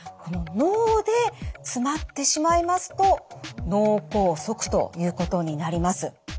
この脳で詰まってしまいますと脳梗塞ということになります。